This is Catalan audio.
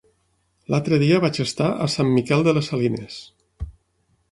L'altre dia vaig estar a Sant Miquel de les Salines.